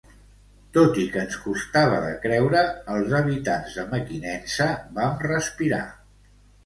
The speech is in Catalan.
Tot i que ens costava de creure, els habitants de Mequinensa vam respirar.